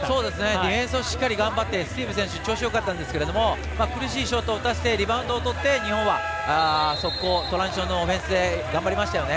ディフェンスをしっかり頑張ってスティーブ選手調子がよかったんですが苦しいショットを打たせてリバウンドを取って日本は速攻、トランジションのオフェンスで頑張りましたよね。